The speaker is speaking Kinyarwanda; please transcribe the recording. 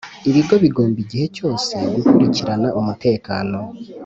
Ibigo bigomba igihe cyose gukurikirana umutekano